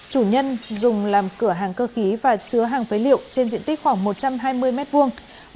hàng cơ khí và chứa hàng phế liệu trên diện tích khoảng một trăm hai mươi m hai